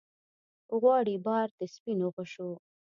غواړي بار د سپینو غشو